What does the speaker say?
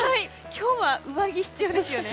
今日は上着、必要ですよね。